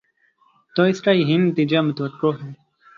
تو اس کا یہی نتیجہ متوقع ہے۔